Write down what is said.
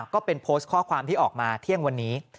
ก็เป็นโพสต์ข้อความที่ออกมาเที่ยงวันนี้